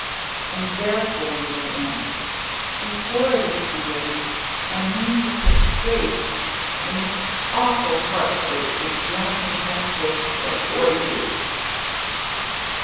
And therefore, Miriam, before it is too late, I mean to put faith in this awful heartquake which warns me henceforth to avoid you."